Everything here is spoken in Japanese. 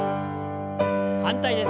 反対です。